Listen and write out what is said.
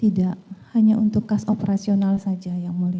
tidak hanya untuk kas operasional saja yang mulia